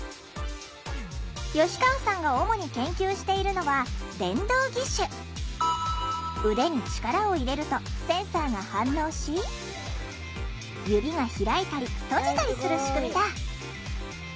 吉川さんが主に研究しているのは腕に力を入れるとセンサーが反応し指が開いたり閉じたりする仕組みだ。